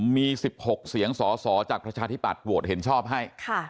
มี๑๖เสียงสอสอจากประชาธิบัติโหวตเห็นชอบให้